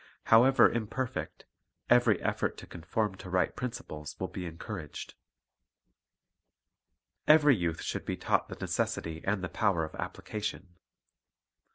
How ever imperfect, every effort to conform to right prin ciples will be encouraged. ' Every youth should be taught the necessity and the Application power of application.